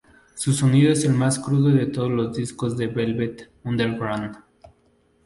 Su sonido es el más crudo de todos los discos de Velvet Underground.